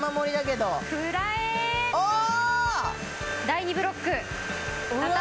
第２ブロック畳。